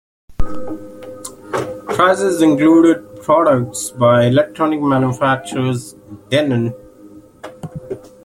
Prizes included products by electronics manufacturer Denon.